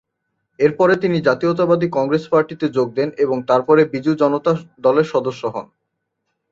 এর পরে তিনি জাতীয়তাবাদী কংগ্রেস পার্টিতে যোগ দেন এবং তারপরে বিজু জনতা দলের সদস্য হন।